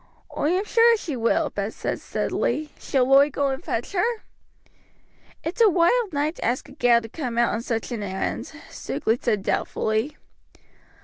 "Oi am sure as she will," Bill said steadily. "Shall oi go and fetch her?" "It's a wild night to ask a gal to come out on such an errand," Stukeley said doubtfully.